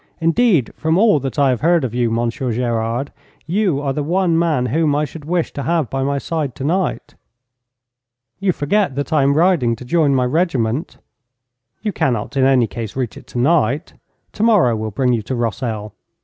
'Indeed, from all that I have heard of you, Monsieur Gerard, you are the one man whom I should wish to have by my side tonight.' 'You forget that I am riding to join my regiment.' 'You cannot, in any case, reach it tonight. Tomorrow will bring you to Rossel.